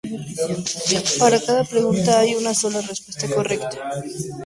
Para cada pregunta hay solo una respuesta correcta.